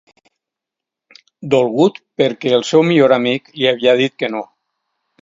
Dolgut perquè el seu millor amic li havia dit que no.